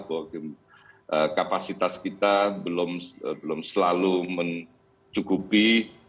bahwa kapasitas kita belum selalu mencukupi